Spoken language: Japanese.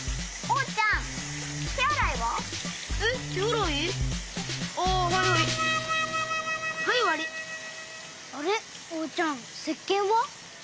おうちゃんせっけんは？